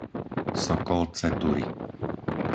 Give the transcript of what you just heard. Sokolce-Turi